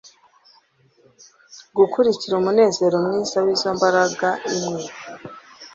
gukurikira umunezero mwiza wizo mbaraga imwe